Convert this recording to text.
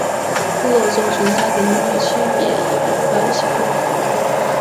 部活中存在的男女区别已引发了一些问题。